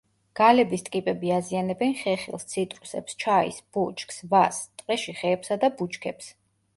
გალების ტკიპები აზიანებენ ხეხილს, ციტრუსებს, ჩაის ბუჩქს, ვაზს; ტყეში ხეებსა და ბუჩქებს.